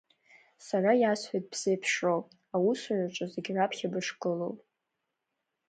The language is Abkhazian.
Сара иасҳәеит бзеиԥшроу, аусураҿы зегь раԥхьа бышгылоу!